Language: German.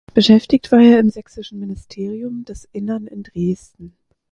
Beschäftigt war er im Sächsischen Ministerium des Innern in Dresden.